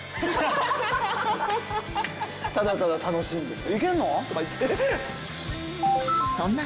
ただただ楽しんでる。